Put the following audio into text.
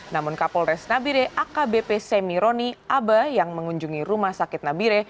namun kapolres nabire akbp semironi aba yang mengunjungi rumah sakit nabire